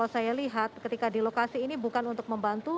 saya lihat ketika di lokasi ini bukan untuk membantu